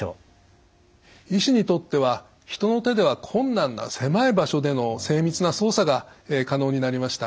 医師にとっては人の手では困難な狭い場所での精密な操作が可能になりました。